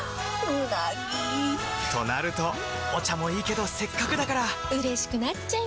うなぎ！となるとお茶もいいけどせっかくだからうれしくなっちゃいますか！